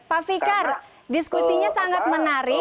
pak fikar diskusinya sangat menarik